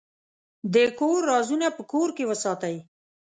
د کور رازونه په کور کې وساتئ.